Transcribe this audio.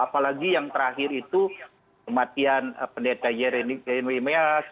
apalagi yang terakhir itu kematian pendeta j r n w m s